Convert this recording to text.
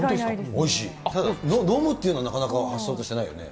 ただ、飲むというのはなかなか発想としてないよね。